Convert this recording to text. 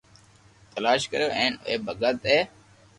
تلاݾ ڪريو ھي ھين اي ڀگت اي